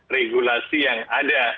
regulasi yang ada